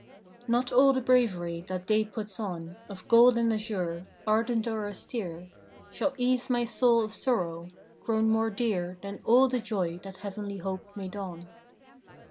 Not all the bravery that day puts on Of gold and azure, ardent or austere, Shall ease my soul of sorrow; grown more dear Than all the joy that heavenly hope may don.